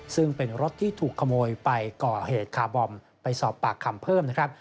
ซึ่งเป็นรถที่ถูกขโมยไปก่อเหตุคาร์บอมไปสอบปากคำเพิ่มนะครับ